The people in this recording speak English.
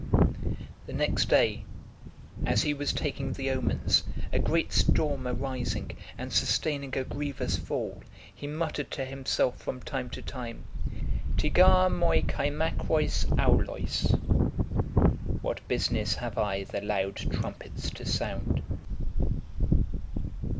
The next day, as he was taking the omens, a great storm arising, and sustaining a grievous fall, he muttered to himself from time to time: Ti gar moi kai makrois aulois; What business have I the loud trumpets to sound!